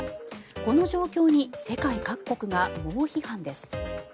この状況に世界各国が猛批判です。